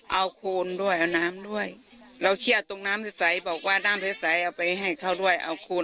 เอาคูณด้วยเอาน้ำด้วยเราเครียดตรงน้ำใสบอกว่าน้ำใสเอาไปให้เขาด้วยเอาคูณ